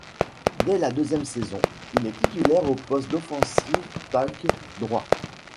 Dès la deuxième saison, il est titulaire au poste d'offensive tackle droit.